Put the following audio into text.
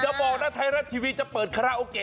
บอกนะไทยรัฐทีวีจะเปิดคาราโอเกะ